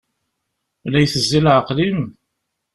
La itezzi leɛqel-im?